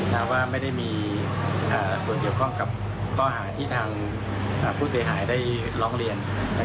ว่าไม่ได้มีส่วนเกี่ยวข้องกับข้อหาที่ทางผู้เสียหายได้ร้องเรียน